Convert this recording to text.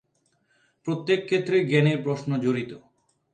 প্রত্যেক ক্ষেত্রেই জ্ঞানের প্রশ্ন জড়িত।